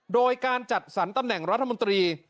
โดยการจัดสรรตำแหน่งรัฐมนตรี